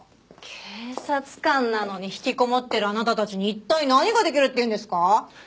警察官なのにひきこもってるあなたたちに一体何ができるっていうんですか？